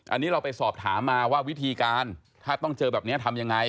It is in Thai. อันนี้เราไปสอบถามมาว่าวิธีการถ้าต้องเจอแบบนี้ทำยังไง